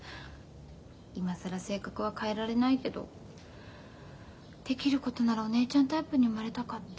今更性格は変えられないけどできることならお姉ちゃんタイプに生まれたかった。